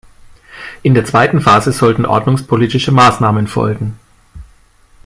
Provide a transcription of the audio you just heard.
In der zweiten Phase sollten ordnungspolitische Maßnahmen folgen.